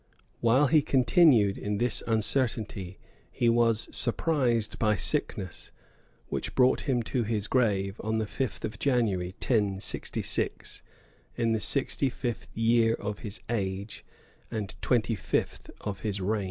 [] While he continued in this uncertainty, he was surprised by sickness, which brought him to his grave on the fifth of January, 1066, in the sixty fifth year of his age, and twenty fifth of his reign.